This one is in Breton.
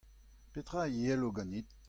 Petra a yelo ganit ?